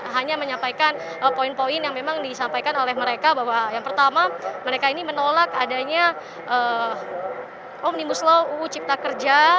hanya menyampaikan poin poin yang memang disampaikan oleh mereka bahwa yang pertama mereka ini menolak adanya omnibus law uu cipta kerja